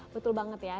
betul banget ya